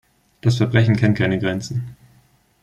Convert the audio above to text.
Das Verbrechen kennt keine Grenzen.